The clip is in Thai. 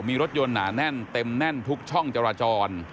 มีรถยนต์หนาแน่นเต็มแน่นทุกช่องจราจร